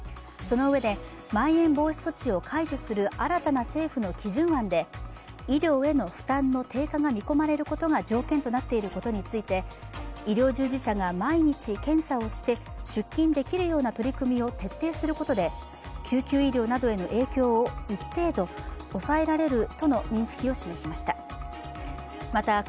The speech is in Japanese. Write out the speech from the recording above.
そのうえで、まん延防止措置を解除する新たな政府の基準案で医療への負担の低下が見込まれることが条件となっていることに対して医療従事者が毎日、検査をして出勤できるような取り組みを徹底することで救急医療などへの影響を一定程度、抑えられるとの認識を示しました。